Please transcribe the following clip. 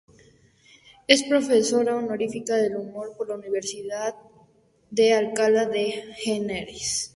Es profesora honorífica del humor por la Universidad de Alcalá de Henares.